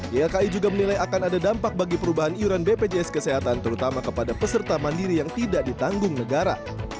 ylki juga menilai akan ada dampak bagi perubahan iuran bpjs kesehatan terutama kepada peserta mandiri yang tidak ditanggung negara